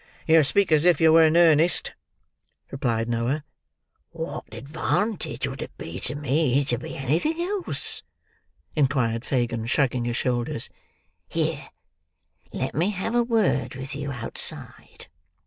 "Yer speak as if yer were in earnest," replied Noah. "What advantage would it be to me to be anything else?" inquired Fagin, shrugging his shoulders. "Here! Let me have a word with you outside."